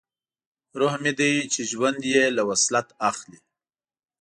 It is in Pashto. روح مې دی چې ژوند یې له وصلت اخلي